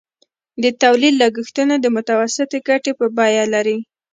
د تولید لګښتونه د متوسطې ګټې بیه لري